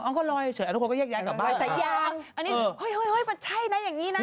อ๋ออ้องก็ลอยเฉยอันทุกคนก็แยกย้ายกลับบ้านใส่ยางอันนี้เฮ้ยเฮ้ยเฮ้ยมันใช่นะอย่างงี้น่ะ